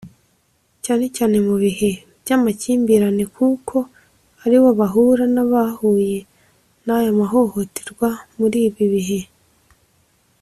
cyane cyane mu bihe by’amakimbirane kuko aribo bahura n’abahuye n’aya mahohoterwa muri ibi bihe